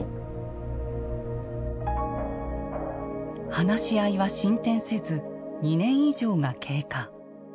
話し合いは進展せず２年以上が経過。